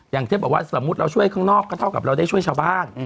อย่างที่บอกว่าสมมุติเราช่วยข้างนอกก็เท่ากับเราได้ช่วยชาวบ้าน